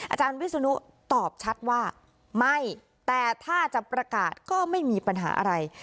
อาจารย์วิศนุตอบชัดว่าไม่แต่ถ้าจะประกาศก็ไม่มีปัญหาอะไร